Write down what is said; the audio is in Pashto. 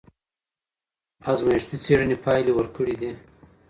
ازمایښتي څېړني پايلي ورکړي دي.